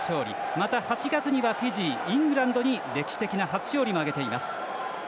また、８月にはフィジーイングランドに歴史的な初勝利も挙げています。